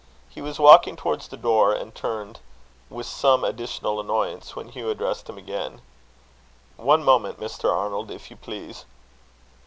He was walking towards the door, and turned with some additional annoyance when Hugh addressed him again: "One moment, Mr. Arnold, if you please."